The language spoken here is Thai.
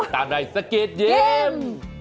ตามในสเก็ดยิ้ม